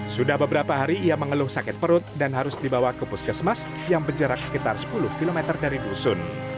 sudah beberapa hari ia mengeluh sakit perut dan harus dibawa ke puskesmas yang berjarak sekitar sepuluh km dari dusun